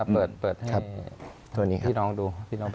เปิดให้พี่น้องดู